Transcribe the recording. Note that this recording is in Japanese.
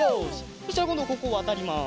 そしたらこんどここわたります。